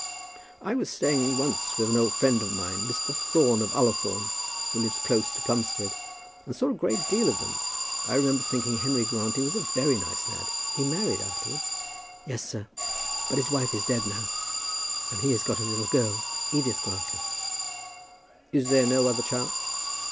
"I was staying once with an old friend of mine, Mr. Thorne of Ullathorne, who lives close to Plumstead, and saw a good deal of them. I remember thinking Henry Grantly was a very nice lad. He married afterwards." "Yes, sir; but his wife is dead now, and he has got a little girl, Edith Grantly." "Is there no other child?"